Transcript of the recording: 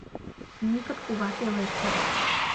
Микыт кува пелештыш.